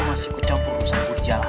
gak bisa ada apa